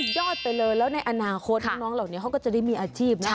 ยอดไปเลยแล้วในอนาคตน้องเขาก็จะได้มีอาจีบนะ